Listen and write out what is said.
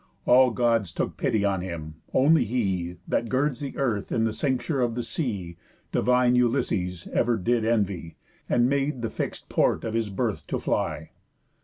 All Gods took pity on him; only he, That girds earth in the cincture of the sea, Divine Ulysses ever did envy, And made the fix'd port of his birth to fly.